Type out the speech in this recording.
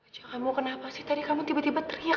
kamu kenapa sih tadi kamu tiba tiba teriak